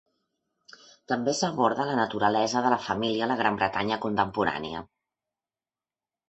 També s'aborda la naturalesa de la família a la Gran Bretanya contemporània.